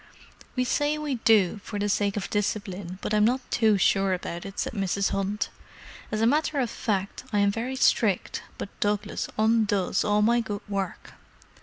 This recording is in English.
"We say we do, for the sake of discipline, but I'm not too sure about it," said Mrs. Hunt. "As a matter of fact, I am very strict, but Douglas undoes all my good work.